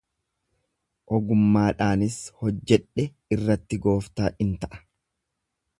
ogummaadhaanis hojjedhe irratti gooftaa in ta'a